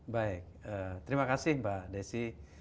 baik terima kasih mbak desi